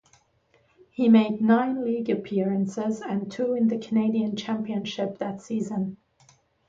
He made nine league appearances and two in the Canadian Championship that season.